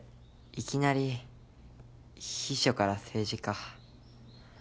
いきなり秘書から政治家。